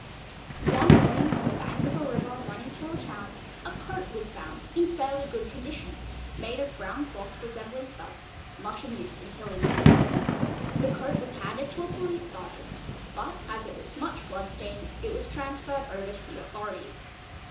One morning on the bank of a river running through a town a coat was found in fairly good condition, made of brown cloth resembling felt, much in use in hilly districts. The coat was handed to a police sergeant, but as it was much blood stained it was transferred over to the authorities.